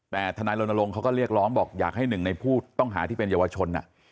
แต่ทนายรณรงค์เขาก็เรียกร้องบอกอยากให้หนึ่งในผู้ต้องหาที่เป็นเยาวชน